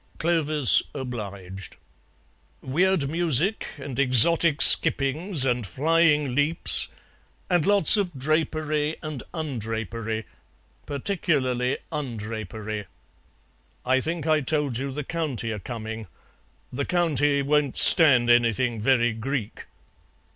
Clovis obliged: "Weird music, and exotic skippings and flying leaps, and lots of drapery and undrapery. Particularly undrapery." "I think I told you the County are coming. The County won't stand anything very Greek."